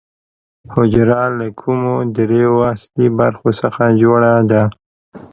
حجره له کومو درېیو اصلي برخو څخه جوړه ده